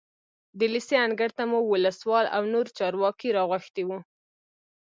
د لېسې انګړ ته مو ولسوال او نور چارواکي راغوښتي وو.